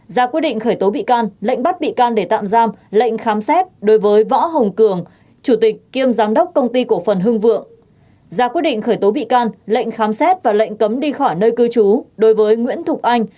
ra quyết định khởi tố bị can lệnh khám xét và lệnh cấm đi khỏi nơi cư trú đối với nguyễn thục anh